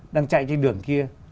đang chạy trên đường kia